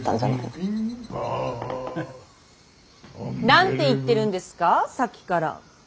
何て言ってるんですかさっきから。